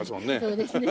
そうですね。